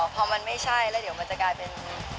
พอมันไม่ใช่แล้วเดี๋ยวมันจะกลายเป็น